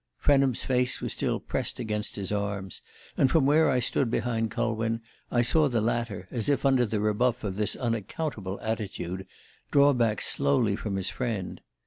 Frenham's face was still pressed against his arms, and from where I stood behind Culwin I saw the latter, as if under the rebuff of this unaccountable attitude, draw back slowly from his friend.